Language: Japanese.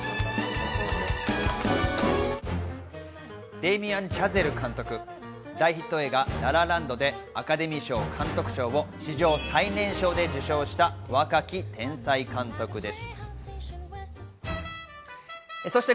デイミアン・チャゼル監督、大ヒット映画『ラ・ラ・ランド』でアカデミー賞・監督賞を史上最年少で受賞した若き天才監督です。